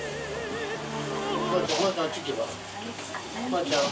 まーちゃん